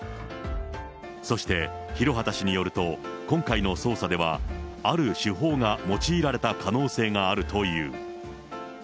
そして廣畑氏によると、今回の捜査では、ある手法が用いられた可能性があるという。